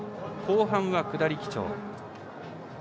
後半は下り基調。